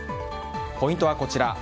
ポイントはこちら。